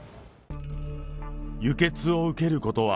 輸血を受けることは、